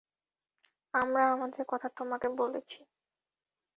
আমরা আমাদের কথা তোমাকে বলেছি।